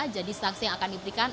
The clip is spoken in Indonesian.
jadi saksi yang akan diberikan